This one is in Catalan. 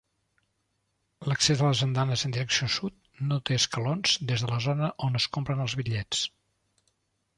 L'accés a les andanes en direcció sud no té escalons des de la zona on es compren els bitllets.